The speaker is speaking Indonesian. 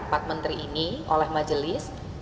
empat menteri ini oleh majelis